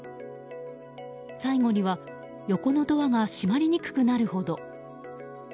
最後には横のドアが閉まりにくくなるほど。